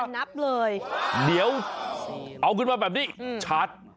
นับเลยเดี๋ยวเอาขึ้นมาแบบนี้ชาร์จ